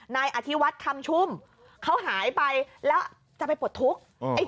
นายอธิวัฒน์คำชุ่มเขาหายไปแล้วจะไปปลดทุกข์